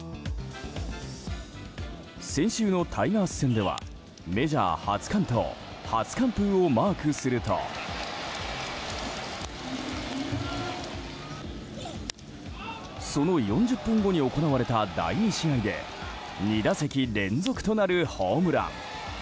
先週のタイガース戦ではメジャー初完投・初完封をマークするとその４０分後に行われた第２試合で２打席連続となるホームラン。